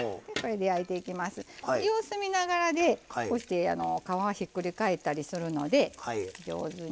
で様子見ながらでこうして皮ひっくり返ったりするので上手に。